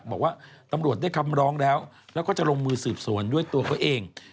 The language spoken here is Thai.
บอกว่าตำรวจได้คำร้องแล้วแล้วก็จะลงมือสืบสวนด้วยตัวเขาเอง